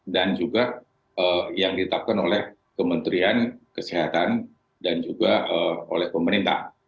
dan juga yang ditetapkan oleh kementerian kesehatan dan juga oleh pemerintah